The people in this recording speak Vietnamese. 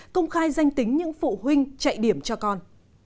công khai danh tính những phụ huynh chạy điểm cho con